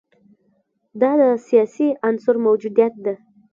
دا د سیاسي عنصر موجودیت ده.